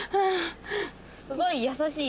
すごい優しい。